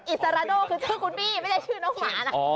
อิสราโดคือชื่อคุณบี้ไม่ได้ชื่อน้องหมานะ